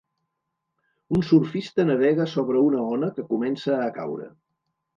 Un surfista navega sobre una ona que comença a caure